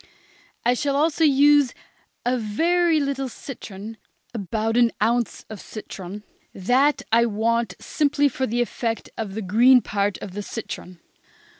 I shall also use a very little citron, about an ounce of citron. That I want simply for the effect of the green part of the citron.